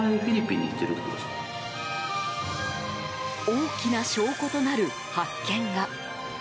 大きな証拠となる発見が。